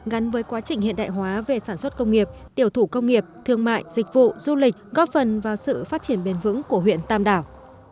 gắn với quá trình hiện đại hóa về sản xuất công nghiệp tiểu thủ công nghiệp thương mại dịch vụ du lịch góp phần vào sự phát triển bền vững của huyện tam đảo